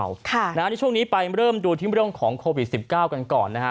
กันได้ที่หน้าจอของเราในช่วงนี้ไปเริ่มดูที่เรื่องของโควิด๑๙กันก่อนนะฮะ